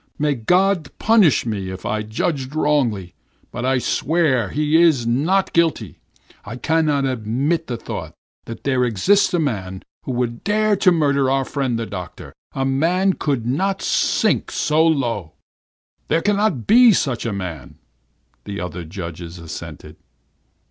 May God punish me if I judge wrongly, but I swear he is not guilty. I cannot admit the thought that there exists a man who would dare to murder our friend the doctor! A man could not sink so low!' "'There cannot be such a man!' the other judges assented.